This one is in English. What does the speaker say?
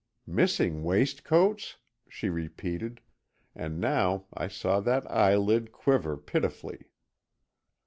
"Missing waistcoats?" she repeated, and now I saw that eyelid quiver pitifully.